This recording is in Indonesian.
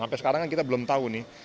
sampai sekarang kan kita belum tahu nih